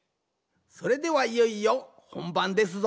それではいよいよほんばんですぞ。